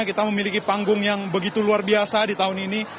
kita memiliki panggung yang begitu luar biasa di tahun ini